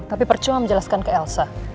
tapi percuma menjelaskan ke elsa